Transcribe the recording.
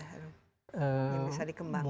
yang bisa dikembangkan